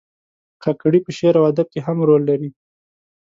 کاکړي په شعر او ادب کې هم رول لري.